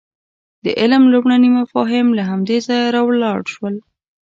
د علم لومړني مفاهیم له همدې ځایه راولاړ شول.